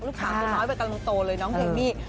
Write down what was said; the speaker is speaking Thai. ลูกขาวสุดน้อยไปกำลังโตเลยน้องเฮมมี่